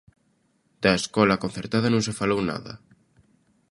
Da escola concertada non se falou nada.